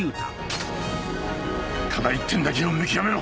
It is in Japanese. ただ一点だけを見極めろ！